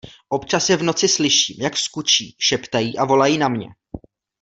Občas je v noci slyším, jak skučí, šeptají a volají na mě.